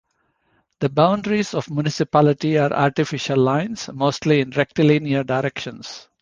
The boundaries of municipality are artificial lines, mostly in rectilinear directions.